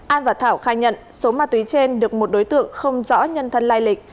an và thảo khai nhận số ma túy trên được một đối tượng không rõ nhân thân lai lịch